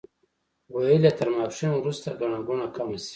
ویل یې تر ماسپښین وروسته ګڼه ګوڼه کمه شي.